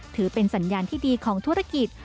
ถือเป็นสัญญาณที่ดีของธุรกิจ